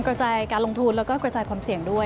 กระจายการลงทุนแล้วก็กระจายความเสี่ยงด้วย